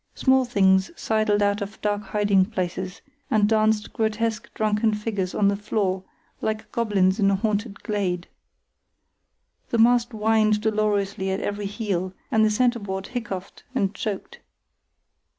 Small things sidled out of dark hiding places, and danced grotesque drunken figures on the floor, like goblins in a haunted glade. The mast whined dolorously at every heel, and the centreboard hiccoughed and choked.